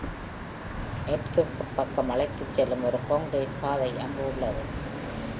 மேற்குப் பக்கம் அழைத்துச்செல்லும் ஒரு காங்க்ரீட் பாதை அங்கு உள்ளது.